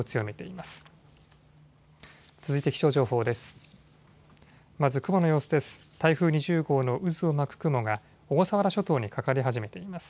まず雲の様子です。